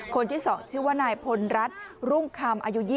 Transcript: คนที่๒ชื่อว่านายพลรัฐรุ่งคำอายุ๒๐